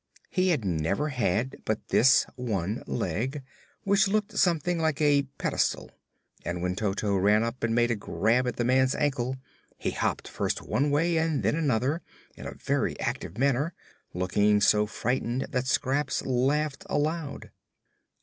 He had never had but this one leg, which looked something like a pedestal, and when Toto ran up and made a grab at the man's ankle he hopped first one way and then another in a very active manner, looking so frightened that Scraps laughed aloud.